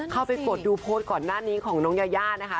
เข้าไปกดดูโพสต์ก่อนหน้านี้ของน้องยายานะคะ